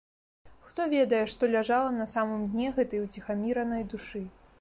Хто ведае, што ляжала на самым дне гэтай уціхаміранай душы?